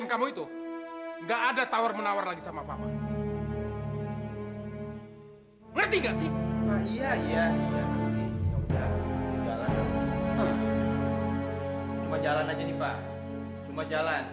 kamu keringetan gini kenapa sih